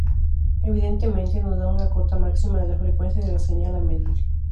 Evidentemente nos da una cota máxima de la frecuencia de la señal a medir.